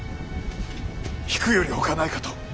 引くよりほかないかと。